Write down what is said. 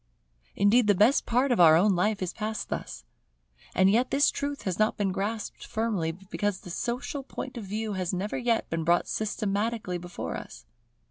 Indeed the best part of our own life is passed thus. As yet this truth has not been grasped firmly, because the social point of view has never yet been brought systematically before us.